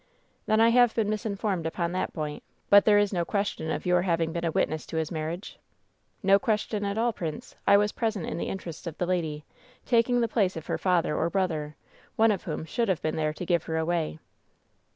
^* ^Then I have been misinformed upon that point. But there is no question of your having been a witness to his marriage V " ^No question at all, prince. I was present in the interests of the lady, taking the place of her father or brother, one of whom should have been there to give her away.'